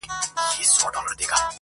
اوس و تاسو ته زامنو انتظار یو٫